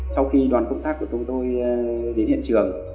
sau khi đoàn công tác của chúng tôi đến hiện trường